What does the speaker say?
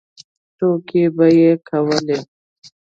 ټوکې به یې کولې.